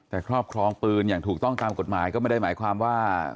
แต่ครอบครองปืนอย่างถูกต้องตามกฎหมายก็ไม่ได้หมายความว่า